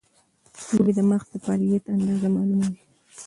لوبې د مغز د فعالیت اندازه معلوموي.